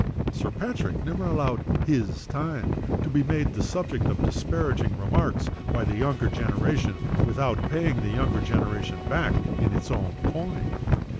Sir Patrick never allowed "his time" to be made the subject of disparaging remarks by the younger generation without paying the younger generation back in its own coin.